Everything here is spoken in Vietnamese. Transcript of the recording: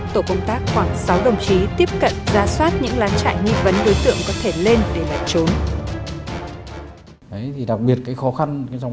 tổ công tác khoảng sáu đồng